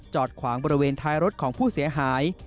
ขวางบริเวณท้ายรถของผู้เสียหาย